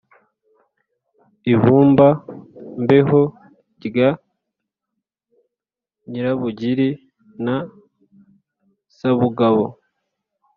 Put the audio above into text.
i bumba-mbeho rya nyirabugiri na sabugabo,